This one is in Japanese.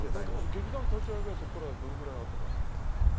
劇団立ち上げはそこからどのくらいあとだったんですか。